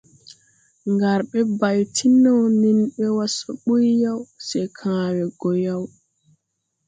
Ngar ɓɛ bay ti no nen ɓɛ wa so buy yaw, se kãã we gɔ yaw.